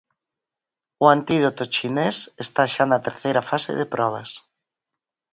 O antídoto chinés está xa na terceira fase de probas.